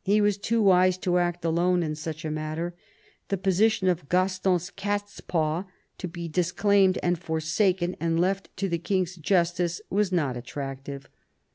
He was too wise to act alone in such a matter : the position of Gaston's cat's paw, to be disclaimed and forsaken and left to the King's justice, was not attractive.